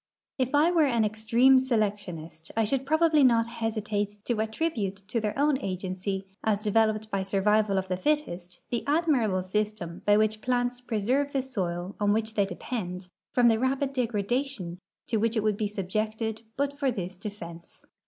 If I were an extreme selectionist I should probably not hesi tate to attribute to their own agency, as developed by survival of the fittest, the admirable system by which the plants pre serve the soil on wliich they depend from the rapid degradation to which it would be subjected but for this defense.